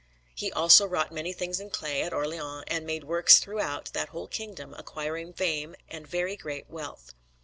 He also wrought many things in clay at Orleans and made works throughout that whole kingdom, acquiring fame and very great wealth.